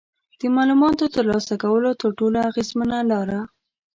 د معلوماتو ترلاسه کولو تر ټولو اغیزمنه لاره